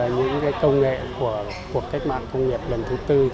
những công nghệ của cách mạng công nghiệp lần thứ bốn